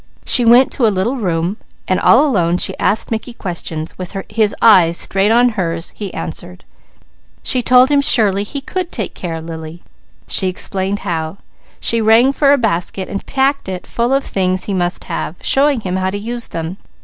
She went to a little room, and all alone she asked Mickey questions; with his eyes straight on hers, he answered. She told him surely he could take care of Lily. She explained how. She rang for a basket and packed it full of things he must have, showing him how to use them.